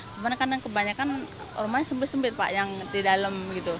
sebenarnya kebanyakan rumahnya sempit sempit yang di dalam